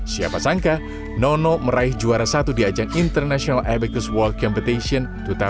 siapa sangka nono meraih juara satu di ajang international abecus world competition dua ribu dua puluh